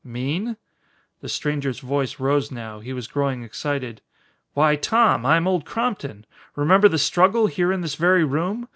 "Mean?" The stranger's voice rose now; he was growing excited. "Why, Tom, I am Old Crompton. Remember the struggle, here in this very room?